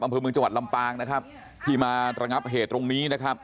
อำเภอเมืองจังหวัดลำปางนะครับที่มาระงับเหตุตรงนี้นะครับ